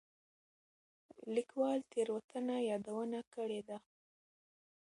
ليکوال تېروتنه يادونه کړې ده.